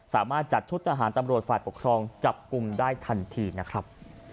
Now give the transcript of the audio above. สามารถจัดชุดทหารตำรวจฝ่ายปกครองจับกลุ่มได้ทันทีนะครับ